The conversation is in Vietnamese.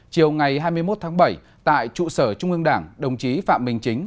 chiều ngày hai mươi một tháng bảy tại trụ sở trung ương đảng đồng chí phạm minh chính